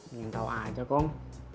nanya tau aja kong